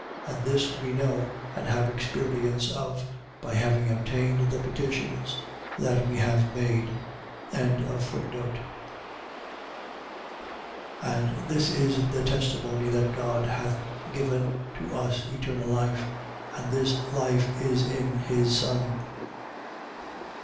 And this we know, and have experience of, by having obtained the petitions that we have made. 5:11. And this is the testimony that God hath given to us eternal life. And this life is in his Son.